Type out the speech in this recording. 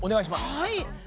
はい！